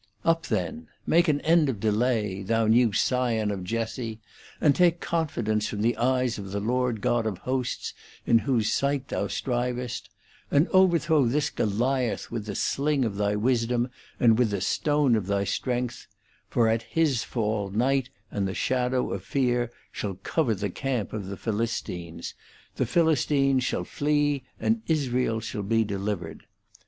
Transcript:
§ 8/Up then ! make an end of delay, thou new scion of Jesse, and take confidence from the eyes of the Lord God of Hosts, in whose sight thou strivest ; and overthrow this Goliath with the sling of thy wisdom and with the stone of thy strength ; for at his fall night and the shadow of fear shall cover the camp of the Philistines — the Philistines shall flee and Israel shall be delivered.